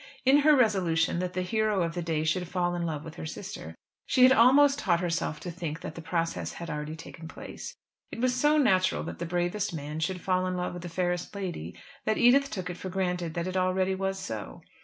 In her resolution that the hero of the day should fall in love with her sister, she had almost taught herself to think that the process had already taken place. It was so natural that the bravest man should fall in love with the fairest lady, that Edith took it for granted that it already was so.